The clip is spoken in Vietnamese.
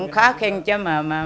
khó khăn chứ mà